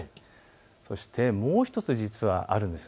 そしてもう１つあるんです。